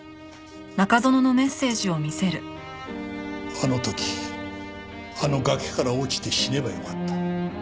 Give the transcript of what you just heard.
「あの時あの崖から落ちて死ねばよかった」